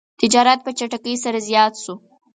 تجارت په چټکۍ سره زیات شو.